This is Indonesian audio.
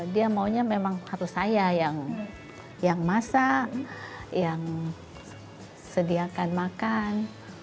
dia maunya memang harus saya yang masak yang sediakan makan